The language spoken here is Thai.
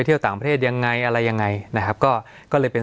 สวัสดีครับทุกผู้ชม